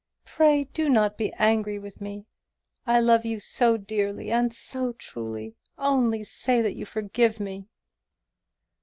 Pray do not be angry with me! I love you so dearly and so truly! Only say that you forgive me."